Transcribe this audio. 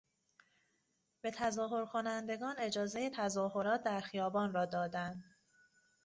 به تظاهر کنندگان اجازهی تظاهرات در خیابان را دادن